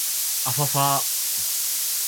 あふぁふぁ